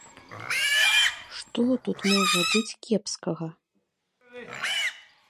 Што тут можа быць кепскага?